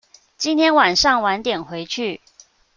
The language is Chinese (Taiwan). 今天晚上晚點回去